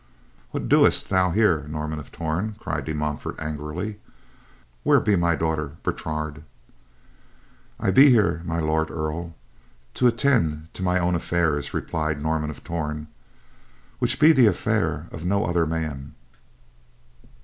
"What dost thou here, Norman of Torn?" cried De Montfort, angrily. "Where be my daughter, Bertrade?" "I be here, My Lord Earl, to attend to mine own affairs," replied Norman of Torn, "which be the affair of no other man.